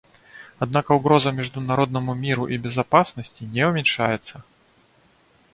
Однако угроза международному миру и безопасности не уменьшается.